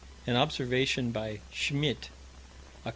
An observation by Schmidt, Oct.